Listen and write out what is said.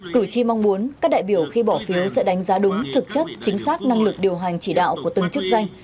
cử tri mong muốn các đại biểu khi bỏ phiếu sẽ đánh giá đúng thực chất chính xác năng lực điều hành chỉ đạo của từng chức danh